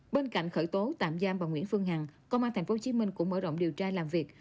bên cạnh khởi tố tạm giam bà nguyễn phương hằng công an tp hcm cũng mở rộng điều tra làm việc